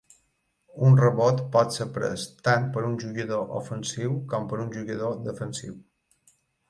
Un rebot pot ser pres tant per un jugador ofensiu com per un jugador defensiu.